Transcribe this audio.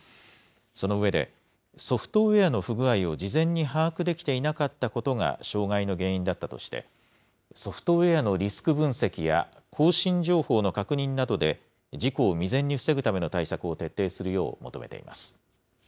その上で、ソフトウエアの不具合を事前に把握できていなかったことが障害の原因だったとして、ソフトウエアのリスク分析や、更新情報の確認などで事故を未然に防ぐための対策を徹底するよう求めています。